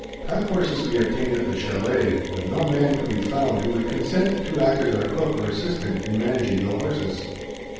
Pack horses we obtained at the chalet, but no man could be found who would consent to act as our cook or assistant in managing the horses.